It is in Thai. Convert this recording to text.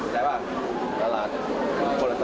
มาด้วยใจนะคะนายก